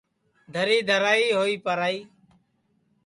دَھری دَھرائی ہوئی پرائی